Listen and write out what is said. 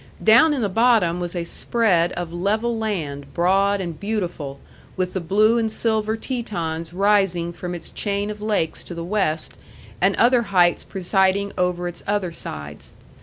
Down in the bottom was a spread of level land, broad and beautiful, with the blue and silver Tetons rising from its chain of lakes to the west, and other heights presiding over its other sides.